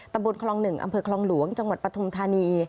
ตำบลครองหนึ่งอำเภอครองหลวงจังหวัดปฐมธานี